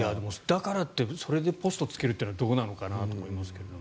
だからってそれでポストに就けるというのはどうなのかなと思いますけど。